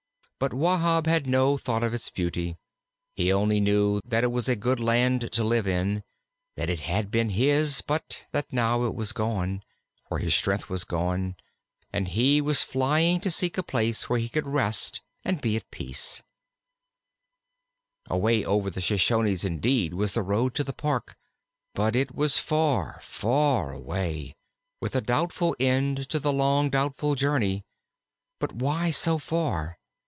But Wahb had no thought of its beauty; he only knew that it was a good land to live in; that it had been his, but that now it was gone, for his strength was gone, and he was flying to seek a place where he could rest and be at peace. Away over the Shoshones, indeed, was the road to the Park, but it was far, far away, with a doubtful end to the long, doubtful journey. But why so far?